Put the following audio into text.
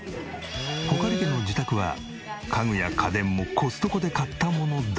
穂苅家の自宅は家具や家電もコストコで買ったものだらけ！